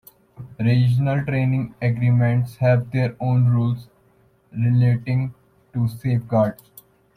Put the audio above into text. Regional trading arrangements have their own rules relating to safeguards.